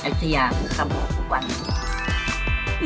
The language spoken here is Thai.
แอฟเทียร์ที่ทำบุกรุงกว่านี้